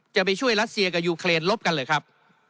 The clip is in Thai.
จะไปช่วยรัสเซียกับยูเครนลบกันเหรอครับ